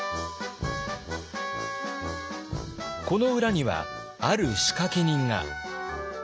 この裏にはある仕掛け人が。